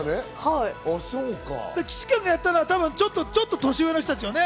岸君がやったのはちょっと年上の人ですよね。